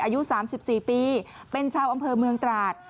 อายุ๓๔ปีเป็นชาวอำเภอเมืองตราด